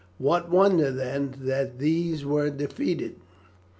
What wonder, then, that these were defeated.